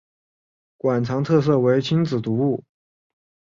馆藏特色为亲子读物。